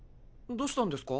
どうしたんですか？